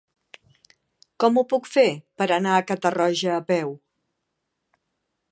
Com ho puc fer per anar a Catarroja a peu?